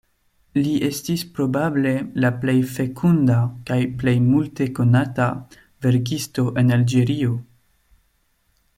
Li estis probable la plej fekunda kaj plej multe konata verkisto el Alĝerio.